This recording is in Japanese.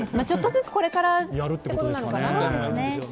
ちょっとずつこれからということなのかな。